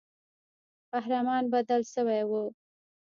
قهرمان بدل سوی وو.